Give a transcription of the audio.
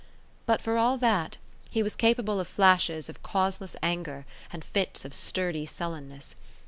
But for all that, he was capable of flashes of causeless anger and fits of sturdy sullenness.